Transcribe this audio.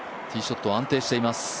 ティーショットは安定しています。